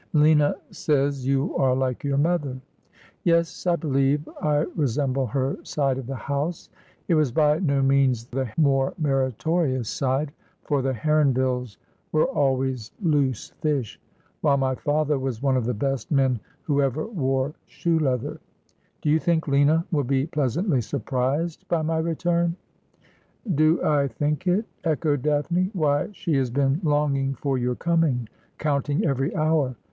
' Lina says you are like your mother.' ' Yes, I believe I resemble her side of the house. It was I)y no means the more meritorious side, for the Heronvilles ' Of Colour Pale and Dead was She.' 103 were always loose fish, while my father was one of the best men who ever wore shoe leather. Do you think Lina will be pleasantly surprised by my return ?'' Do I think it ?' echoed Daphne. ' Why, she has been longing for your coming — counting every hour.